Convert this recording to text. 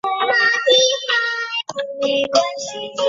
红铆钉菇的宿主就是经常在其附近出现的乳牛肝菌。